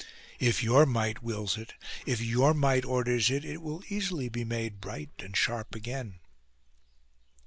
If your might wills it, if your might orders it, it will easily be made bright and sharp again.